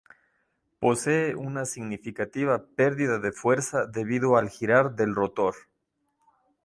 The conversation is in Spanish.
Posee una significativa perdida de fuerza debido al girar del rotor.